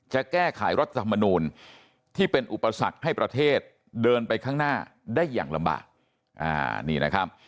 จะแก้ไขรัฐธรรมนูลที่เป็นอุปสรรคให้ประเทศเดินไปข้างหน้าได้อย่างลำบากนี่นะครับ